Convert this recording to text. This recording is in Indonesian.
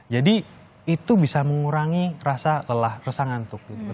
jadi itu bisa mengurangi rasa lelah rasa ngantuk